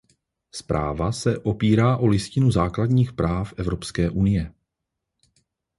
Zpráva se opírá o Listinu základních práv Evropské unie.